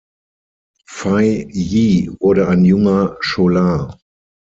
Fei Yi wurde ein junger Scholar.